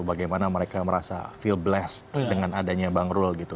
bagaimana mereka merasa feel bless dengan adanya bang rul gitu